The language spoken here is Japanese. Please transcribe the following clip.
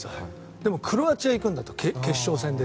でもクロアチア行くんだと決勝戦で。